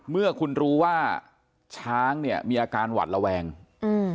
เมื่อคุณรู้ว่าช้างเนี้ยมีอาการหวัดระแวงอืม